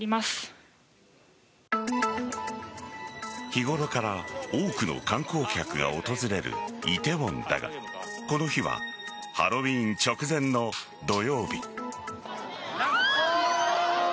日頃から多くの観光客が訪れる梨泰院だがこの日はハロウィーン直前の土曜日。